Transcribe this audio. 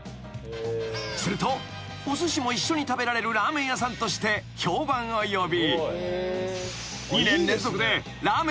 ［するとおすしも一緒に食べられるラーメン屋さんとして評判を呼び］